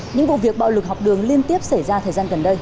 những vụ việc bạo lực học đường liên tiếp xảy ra thời gian gần đây